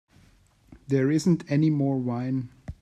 There isn't any more wine.